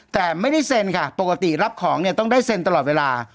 แต่ไม่ได้เซ็นค่ะปกติรับของเนี่ยต้องได้เซ็นตลอดเวลา